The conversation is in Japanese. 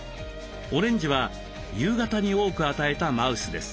オレンジは夕方に多く与えたマウスです。